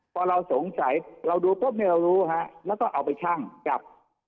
พอเราสงสัยเราดูปุ๊บเนี่ยเรารู้ฮะแล้วก็เอาไปชั่งกับ